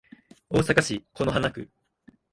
大阪市此花区